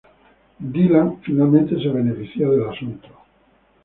Dylan finalmente se benefició del asunto.